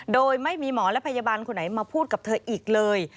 โดยไม่มีหมอและพยาบาลคนไหนมาพูดกับเธออีกเลย